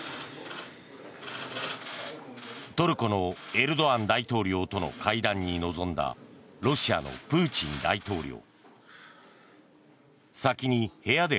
トルコのエルドアン大統領との会談に臨んだロシアのプーチン大統領。